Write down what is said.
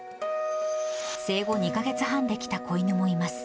生後２か月半で来た子犬もいます。